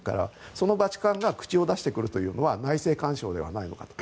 そのバチカンが口を出してくるというのは内政干渉ではないのかと。